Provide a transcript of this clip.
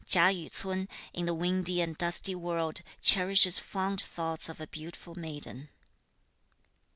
Chia Yü ts'un, in the (windy and dusty) world, cherishes fond thoughts of a beautiful maiden.